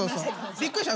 びっくりした。